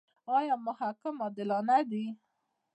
آیا محاکم عادلانه دي؟